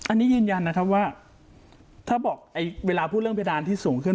อันนี้ยืนยันนะครับว่าถ้าบอกเวลาพูดเรื่องเพดานที่สูงขึ้น